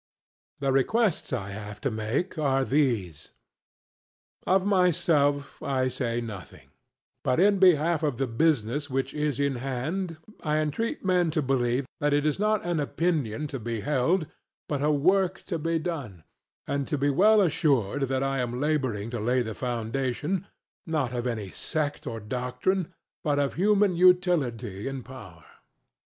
The requests I have to make are these. Of myself I say nothing; but in behalf of the business which is in hand I entreat men to believe that it is not an opinion to be held, but a work to be done; and to be well assured that I am labouring to lay the foundation, not of any sect or doctrine, but of human utility and power.